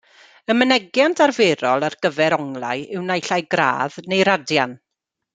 Y mynegiant arferol ar gyfer onglau yw naill ai gradd neu radian.